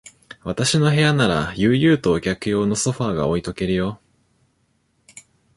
私の部屋なら、悠々とお客用のソファーが置いとけるよ。